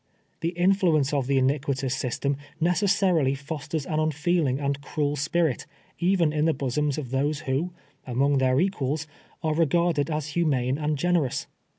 The influ ence of the iniquitous system necessarily fosters an unfeeling and cruel spirit, even in the bosoms of those who, among their equals, are regarded as humane and generous.